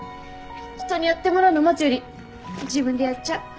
人にやってもらうの待つより自分でやっちゃう。